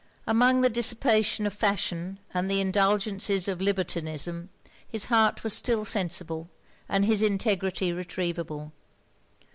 Among the dissipation of fashion and the indulgences of libertinism, his heart was still sensible, and his integrity retrievable.